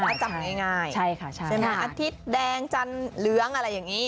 ประจำง่ายอาทิตย์แดงจันทร์เหลืองอะไรอย่างนี้